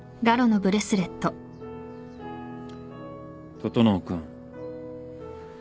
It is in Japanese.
整君。